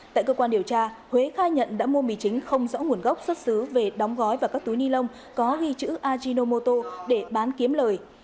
tại cơ quan điều tra huế khai nhận đã mua mì chính không rõ nguồn gốc xuất xứ về đóng gói và các túi ni lông có ghi chữ ajinomoto để bán kiếm lời